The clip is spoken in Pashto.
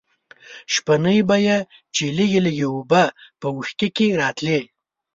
شپېنۍ به یې چې لږې لږې اوبه په وښکي کې راتلې.